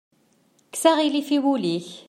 Kkes aɣilif i wul-ik.